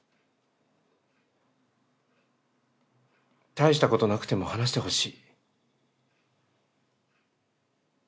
大したことなくても話してほしい。